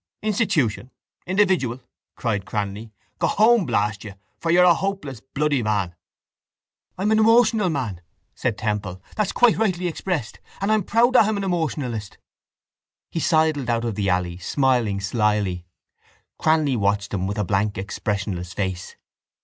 —Institution! Individual! cried Cranly. Go home, blast you, for you're a hopeless bloody man. —I'm an emotional man, said Temple. That's quite rightly expressed. And I'm proud that I'm an emotionalist. He sidled out of the alley, smiling slily. Cranly watched him with a blank expressionless face.